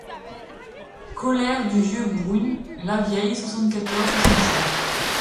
Cholère du vieulx Bruyn Lavieille soixante-quatorze soixante-cinq.